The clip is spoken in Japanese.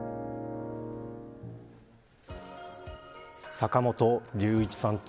坂本龍一さん。